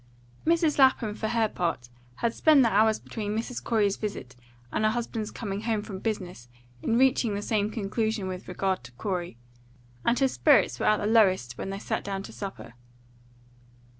Mrs. Lapham, for her part, had spent the hours between Mrs. Corey's visit and her husband's coming home from business in reaching the same conclusion with regard to Corey; and her spirits were at the lowest when they sat down to supper.